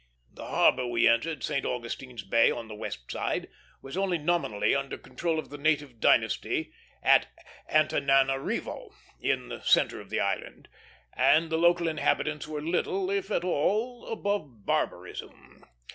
The harbor we entered, St. Augustine's Bay, on the west side, was only nominally under control of the native dynasty at Antananarivo, in the centre of the island; and the local inhabitants were little, if at all, above barbarism.